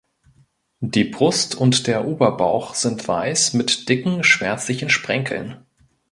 Die Brust und der Oberbauch sind weiß mit dicken schwärzlichen Sprenkeln.